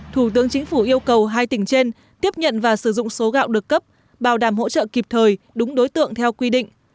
thủ tướng chính phủ yêu cầu hai tỉnh trên tiếp nhận và sử dụng số gạo được cấp bảo đảm hỗ trợ kịp thời đúng đối tượng theo quy định